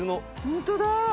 ホントだ！